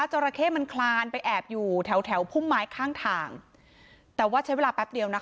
จราเข้มันคลานไปแอบอยู่แถวแถวพุ่มไม้ข้างทางแต่ว่าใช้เวลาแป๊บเดียวนะคะ